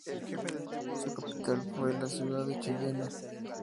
Su capital fue la ciudad de Cheyenne.